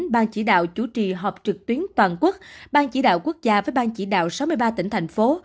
bang chỉ đạo chủ trì họp trực tuyến toàn quốc bang chỉ đạo quốc gia với bang chỉ đạo sáu mươi ba tỉnh thành phố